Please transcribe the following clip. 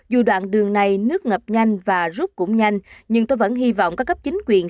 dù đoạn đường này nước ngập nhanh và rút cũng nhanh nhưng tôi vẫn hy vọng các cấp chính quyền